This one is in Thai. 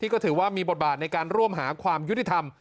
ก็ถือว่ามีบทบาทในการร่วมหาความยุติธรรม